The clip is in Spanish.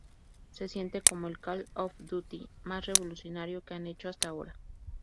Se siente como el "Call of Duty" más revolucionario que han hecho hasta ahora".